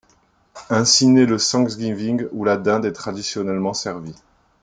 Ainsi naît le Thanksgiving où la dinde est traditionnellement servie.